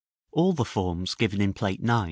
§ XV. All the forms given in Plate IX.